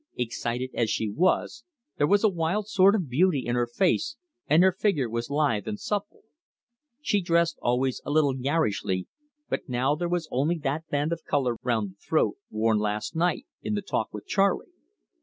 Excited as she was, there was a wild sort of beauty in her face, and her figure was lithe and supple. She dressed always a little garishly, but now there was only that band of colour round the throat, worn last night in the talk with Charley.